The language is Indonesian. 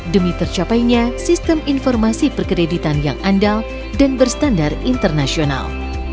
demi tercapainya sistem informasi perkreditan yang andal dan berstandar internasional